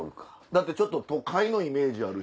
だってちょっと都会のイメージある。